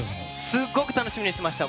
すごく楽しみにしてました。